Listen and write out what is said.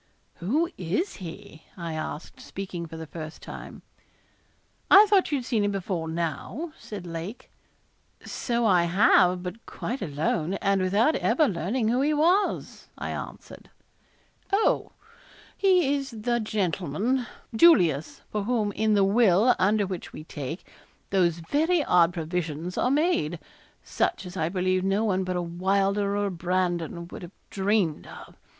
'Who is he?' I asked, speaking for the first time. 'I thought you had seen him before now,' said Lake. 'So I have, but quite alone, and without ever learning who he was,' I answered. 'Oh! He is the gentleman, Julius, for whom in the will, under which we take, those very odd provisions are made such as I believe no one but a Wylder or a Brandon would have dreamed of.